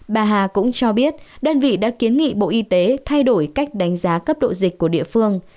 bà hà cũng cho biết đơn vị đã kiến nghị bộ y tế thay đổi cách đánh giá cấp độ dịch của địa phương